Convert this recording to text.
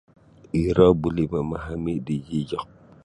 iro buli memahami di gijok